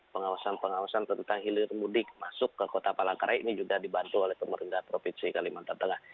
pengawasan pengawasan tentang hilir mudik masuk ke kota palangkaraya ini juga dibantu oleh pemerintah provinsi kalimantan tengah